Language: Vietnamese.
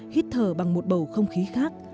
hít thở bằng một bầu không khí khác